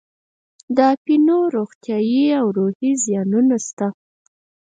د اپینو روغتیایي او روحي زیانونه شته.